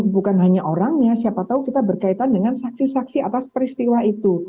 bukan hanya orangnya siapa tahu kita berkaitan dengan saksi saksi atas peristiwa itu